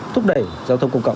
thúc đẩy giao thông công cộng